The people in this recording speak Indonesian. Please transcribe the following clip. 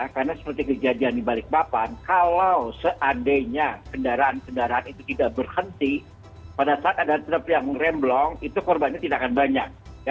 karena seperti kejadian di balikpapan kalau seandainya kendaraan kendaraan itu tidak berhenti pada saat ada truk yang remblong itu korbannya tidak akan banyak